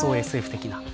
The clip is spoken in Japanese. ＳＦ的な。